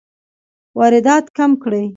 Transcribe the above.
واردات کم کړئ